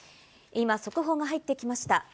今、速報が入ってきました。